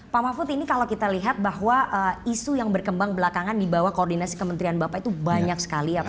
pak mahfud ini kalau kita lihat bahwa isu yang berkembang belakangan di bawah koordinasi kementerian bapak itu banyak sekali ya pak